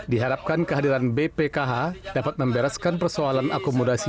diharapkan kehadiran bpkh dapat membereskan persoalan akomodasi